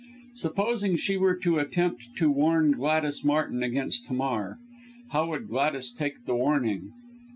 Supposing she were to attempt to warn Gladys Martin against Hamar, how would Gladys take the warning?